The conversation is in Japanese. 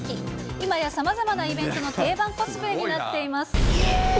今や、さまざまなイベントの定番コスプレになっています。